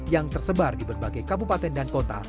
yang tersebar di berbagai kabupaten dan kota